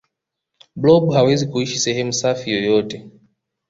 blob hawezi kuishi sehemu safi yoyote